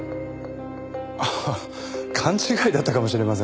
ああ勘違いだったかもしれません。